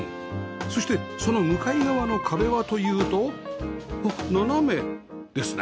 そしてその向かい側の壁はというとあっ斜めですね。